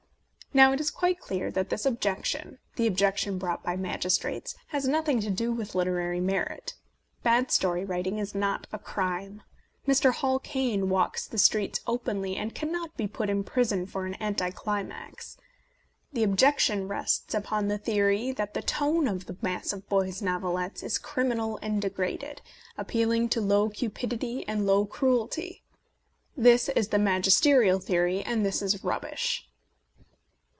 Now it is quite clear that this objection, the objection brought by magistrates, has nothing to do with literary merit. Bad story writing is not a crime. Mr. Hall Caine walks the streets openly, and cannot be put in prison for an anticlimax. The objection rests upon the theory that the tone of the mass of boys' novelettes is criminal and degraded, appealing to low cupidity and low cruelty. This is the mag isterial theory, and this is rubbish.